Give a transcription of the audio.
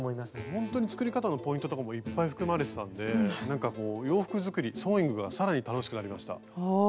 ほんとに作り方のポイントとかもいっぱい含まれてたんで洋服作りソーイングがさらに楽しくなりました。